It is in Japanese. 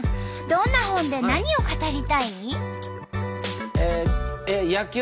どんな本で何を語りたい？